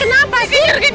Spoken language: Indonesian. iya clara diam dulu dong